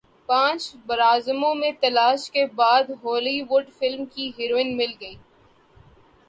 پانچ براعظموں میں تلاش کے بعد ہولی وڈ فلم کی ہیروئن مل گئی